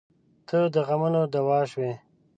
• ته د غمونو دوا شوې.